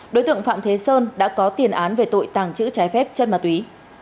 đối tượng phạm thế sơn đã có tiền án về tội tàng trữ trái phép chất ma túy